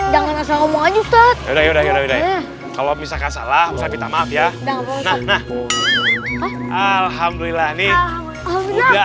jangan asal ngomong aja ustadz kalau misalkan salah usah minta maaf ya alhamdulillah nih udah